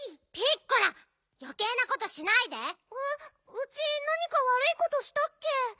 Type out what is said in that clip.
ウチなにかわるいことしたっけ？